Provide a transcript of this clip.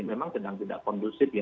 memang sedang tidak kondusif ya